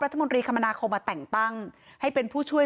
รัฐมนตรีคมนาคมมาแต่งตั้งให้เป็นผู้ช่วย